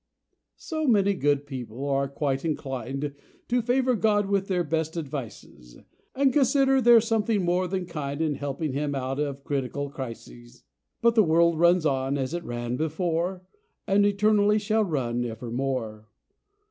So many good people are quite inclined To favor God with their best advices, And consider they're something more than kind In helping Him out of critical crises. But the world runs on, as it ran before, And eternally shall run evermore.